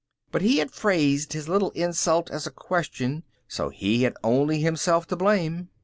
But he had phrased his little insult as a question so he had only himself to blame.